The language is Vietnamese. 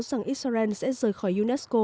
rằng israel sẽ rời khỏi unesco